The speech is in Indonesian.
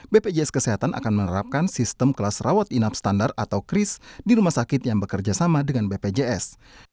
bpjs kesehatan akan menerapkan sistem kelas rawat inap standar atau kris di rumah sakit yang bekerja sama dengan bpjs